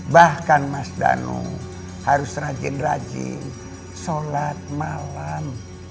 bahkan mas dano harus rajin rajin sholat malam